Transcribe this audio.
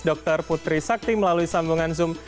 dr putri sakti melalui sambungan zoom